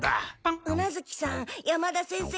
宇奈月さん山田先生のこと